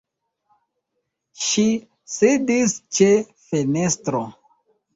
Ŝi sidis ĉe fenestro.